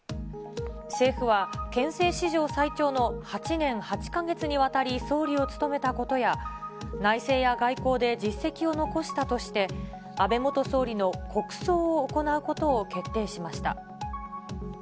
政府は憲政史上最長の８年８か月にわたり総理を務めたことや、内政や外交で実績を残したとして、安倍元総理の国葬を行うことを決定しました。